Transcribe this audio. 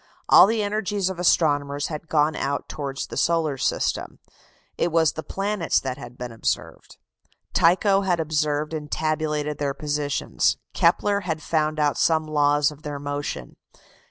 All the energies of astronomers had gone out towards the solar system. It was the planets that had been observed. Tycho had observed and tabulated their positions. Kepler had found out some laws of their motion.